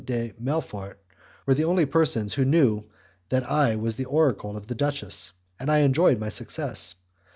de Melfort were the only persons who knew that I was the oracle of the duchess, and I enjoyed my success.